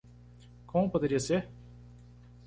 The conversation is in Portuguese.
Como poderia ser?